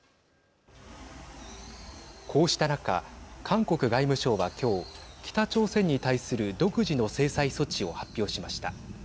こうした中、韓国外務省は今日北朝鮮に対する独自の制裁措置を発表しました。